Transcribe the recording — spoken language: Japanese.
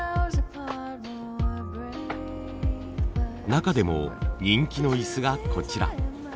中でも人気の椅子がこちら。